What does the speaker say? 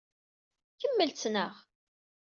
Kemmel ttnaɣ.